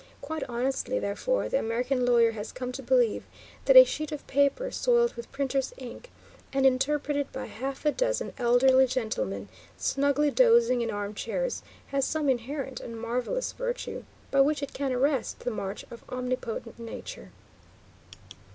Quite honestly, therefore, the American lawyer has come to believe that a sheet of paper soiled with printers' ink and interpreted by half a dozen elderly gentlemen snugly dozing in armchairs, has some inherent and marvellous virtue by which it can arrest the march of omnipotent Nature.